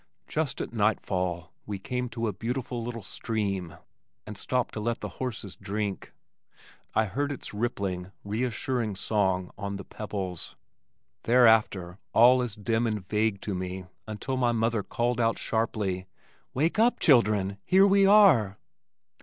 Just at nightfall we came to a beautiful little stream, and stopped to let the horses drink. I heard its rippling, reassuring song on the pebbles. Thereafter all is dim and vague to me until my mother called out sharply, "Wake up, children! Here we are!"